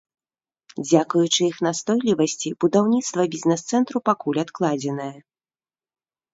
Дзякуючы іх настойлівасці, будаўніцтва бізнэс-цэнтру пакуль адкладзенае.